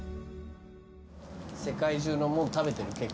世界中のもん食べてる？